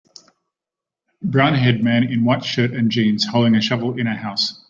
Brownhaired man in white shirt and jeans holding a shovel in a house.